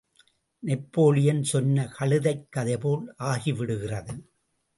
Napoleon சொன்ன கழுதைக் கதைபோல் ஆகிவிடுகிறது.